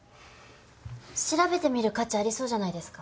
調べてみる価値ありそうじゃないですか？